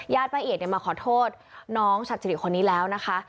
ป้าเอียดมาขอโทษน้องชัดสิริคนนี้แล้วนะคะ